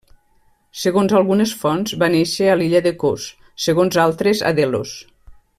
Segons algunes fonts, va néixer a l’illa de Kos, segons altres a Delos.